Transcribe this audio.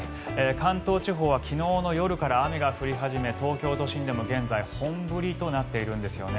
関東地方は昨日の夜から雨が降り始め東京都心でも現在、本降りとなっているんですよね。